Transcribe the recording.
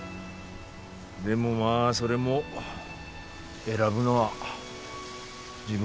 でもまあそれも選ぶのは自分だ。